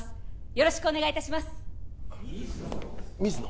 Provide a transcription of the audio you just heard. よろしくお願いいたします水野？